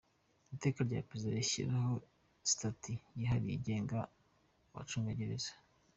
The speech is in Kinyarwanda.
Iteka rya Perezida rishyiraho Sitati yihariye igenga Abacungagereza;.